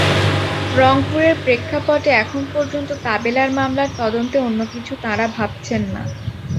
রংপুরের প্রেক্ষাপটে এখন পর্যন্ত তাবেলার মামলার তদন্তে অন্য কিছু তাঁরা ভাবছেন না।